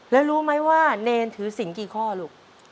แล้วรู้ไหมว่าเนรถือสินกี่ข้อลูก